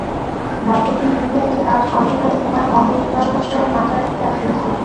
ভাগ্যহীন বিহারী যে আজ অন্ধকারে তোমার মঙ্গলচরণাশ্রয়ে মাথা রাখিতে আসিয়াছিল।